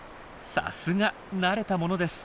さすが慣れたものです。